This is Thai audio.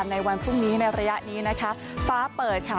ในวันพรุ่งนี้ในระยะนี้นะคะฟ้าเปิดค่ะ